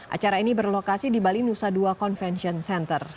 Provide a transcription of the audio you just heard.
acara ini berlokasi di bali nusa dua convention center